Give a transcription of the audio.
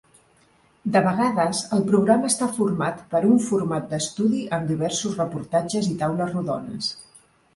De vegades, el programa està format per un format d'estudi amb diversos reportatges i taules rodones.